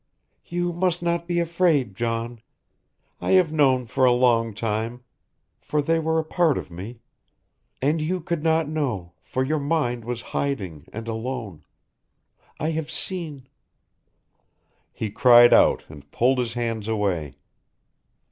"You must not be afraid, John. I have known for a long time for they were a part of me. And you could not know for your mind was hiding and alone. I have seen ..." He cried out and pulled his hands away.